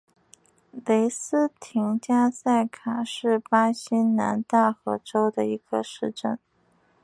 雷斯廷加塞卡是巴西南大河州的一个市镇。